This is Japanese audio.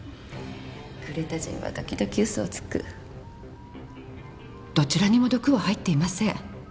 「クレタ人は時々嘘をつく」どちらにも毒は入っていません。